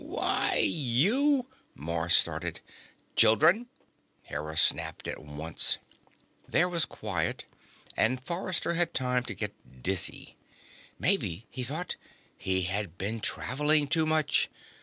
"Why, you " Mars started. "Children!" Hera snapped at once. There was quiet, and Forrester had time to get dizzy. Maybe, he thought, he had been traveling too much.